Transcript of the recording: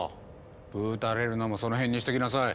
ぶうたれるのもそのへんにしときなさい。